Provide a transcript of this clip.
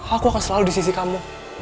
aku akan selalu disisi kamu